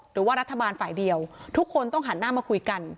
หรือว่ารัฐบาลฝ่ายเดียวทุกคนต้องหันหน้ามาคุยกัน